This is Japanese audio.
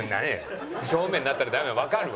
正面なったらダメなのわかるわ！